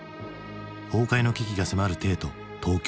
崩壊の危機が迫る帝都東京。